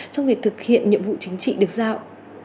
trong việc thực hiện nhiệm vụ chính trị được giao